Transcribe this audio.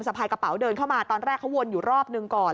พายกระเป๋าเดินเข้ามาตอนแรกเขาวนอยู่รอบหนึ่งก่อน